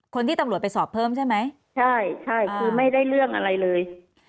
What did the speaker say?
คนที่ตำรวจไปสอบเพิ่มใช่ไหมใช่ใช่คือไม่ได้เรื่องอะไรเลย